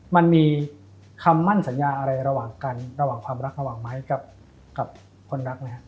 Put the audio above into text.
มันมีคำมั่นสัญญาอะไรระหว่างกันระหว่างความรักระหว่างไม้กับคนรักไหมครับ